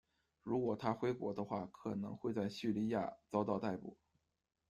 如果他回国的话，可能会在叙利亚遭到逮捕。